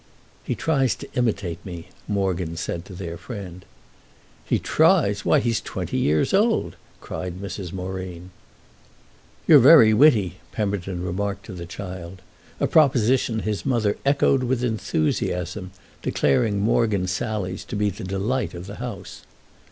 "He tries to imitate me," Morgan said to their friend. "He tries? Why he's twenty years old!" cried Mrs. Moreen. "You're very witty," Pemberton remarked to the child—a proposition his mother echoed with enthusiasm, declaring Morgan's sallies to be the delight of the house.